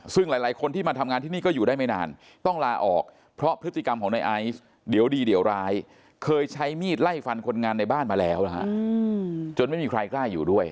ซึ่งหลายคนที่มาทำงานที่นี่ก็อยู่ได้ไม่นานต้องลาออกเพราะพฤติกรรมของในไอซ์เดี๋ยวดีเดี๋ยวร้ายเคยใช้มีดไล่ฟันคนงานในบ้านมาแล้วนะฮะจนไม่มีใครกล้าอยู่ด้วย